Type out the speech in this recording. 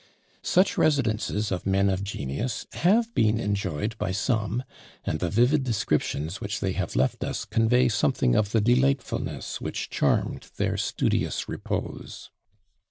Such residences of men of genius have been enjoyed by some; and the vivid descriptions which they have left us convey something of the delightfulness which charmed their studious repose.